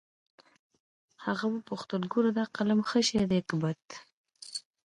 هغه وپوښتل ګوره دا قلم ښه شى ديه که بد.